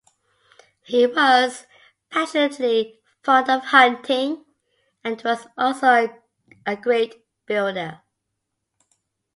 He was passionately fond of hunting and was also a great builder.